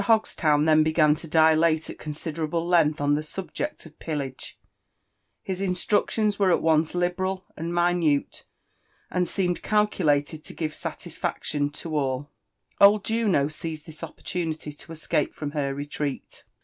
Hogstown then began to dilate at considerable length op t)ie lllhjeot of pillage : bis instructions were at oq^ liberal and mioute, and ^epn^ed oalculatod to give satisfaction \o all, Old Junq seized this opportunity to escape fropn he? retreat.